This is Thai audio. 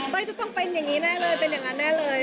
จะต้องเป็นอย่างนี้แน่เลยเป็นอย่างนั้นแน่เลย